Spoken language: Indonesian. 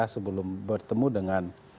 sebelum bertemu dengan